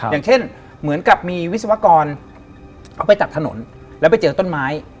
อย่างเช่นเหมือนกับมีวิศวกรเอาไปตัดถนนแล้วไปเจอต้นไม้